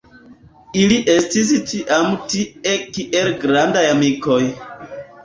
Ili estis tiam tie kiel grandaj amikoj.